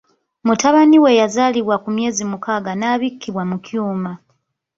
Mutabani we yazaalibwa ku myezi mukaaga n'abikkibwa mu kyuma.